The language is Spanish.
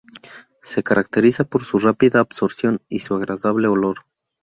Se caracteriza por su rápida absorción y su agradable olor.